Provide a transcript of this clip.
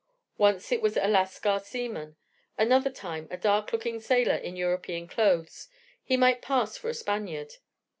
Once it was a Lascar seaman, another time a dark looking sailor in European clothes: he might pass for a Spaniard.